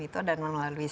itu udah sama semuanya